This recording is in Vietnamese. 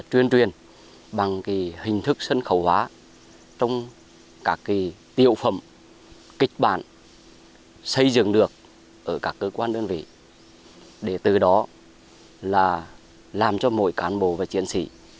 thay dựng được ở các cơ quan đơn vị để từ đó là làm cho mỗi cán bộ và chiến sĩ